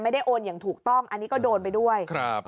ไม่ได้โอนอย่างถูกต้องอันนี้ก็โดนไปด้วย